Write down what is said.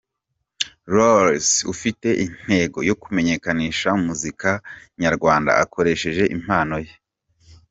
Rollz ufite intego yo kumenyekanisha muzika nyarwanda akoresheje impano ye.